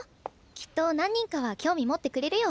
きっと何人かは興味持ってくれるよ。